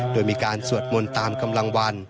โดยมีการสวดมนต์ตามกำลังวัน